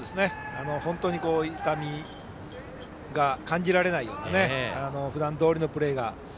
本当に痛みが感じられないようなふだんどおりのプレーで。